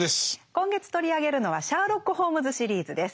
今月取り上げるのはシャーロック・ホームズ・シリーズです。